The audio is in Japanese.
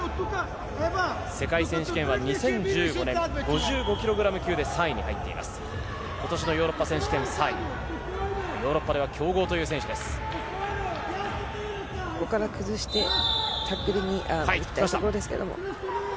世界選手権は２０１５年、５５ｋｇ級で３位に入っています、今年のヨーロッパ選手権３位、ヨーロッパでは強豪というここから崩してタックルに行きたいところです。